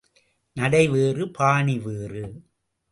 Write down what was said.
நடை வேறு, பாணி வேறு.